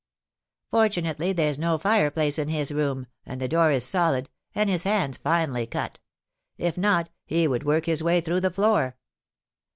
"Fortunately, there's no fireplace in his room, and the door is solid, and his hands finely cut; if not, he would work his way through the floor."